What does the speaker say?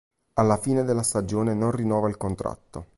Alla fine della stagione non rinnova il contratto.